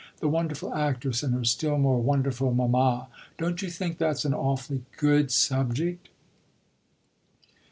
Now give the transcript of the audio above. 'The wonderful actress and her still more wonderful mamma' don't you think that's an awfully good subject?"